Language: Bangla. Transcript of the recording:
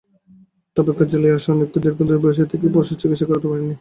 তবে কার্যালয়ে আসা অনেকেই দীর্ঘক্ষণ বসে থেকেও পশুর চিকিৎসা করাতে পারেননি।